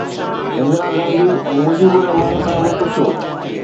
اندرا گانڌي ۽ مجيب الرحمان کان به پڇو